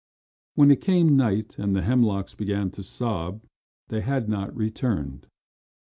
When it came night and the hemlocks began to sob they had not returned.